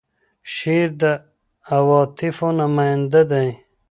شعر د عواطفو نماینده دی.